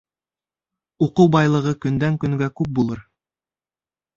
Уҡыу байлығы көндән-көнгә күп булыр